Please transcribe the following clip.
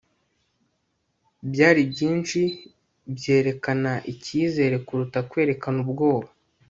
byari byinshi byerekana ikizere kuruta kwerekana ubwoba